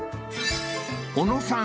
小野さん